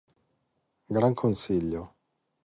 Gran Consiglio